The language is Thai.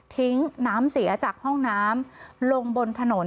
ทิ้งน้ำเสียจากห้องน้ำลงบนผน